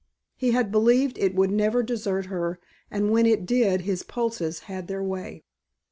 He had believed it would never desert her and when it did his pulses had their way.